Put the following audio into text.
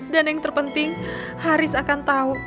dan yang terpenting haris akan tahu